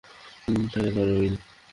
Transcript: তাকে ধরো, উইল।